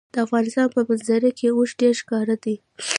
د افغانستان په منظره کې اوښ ډېر ښکاره دی.